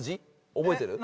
覚えてる？